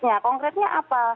nah konkretnya apa